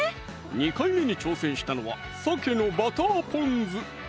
２回目に挑戦したのは「鮭のバターポン酢」